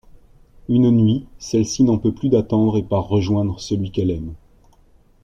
Une nuit, celle-ci n'en peut plus d'attendre et part rejoindre celui qu'elle aime.